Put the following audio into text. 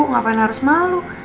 ngapain harus malu